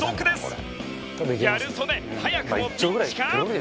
ギャル曽根早くもピンチか？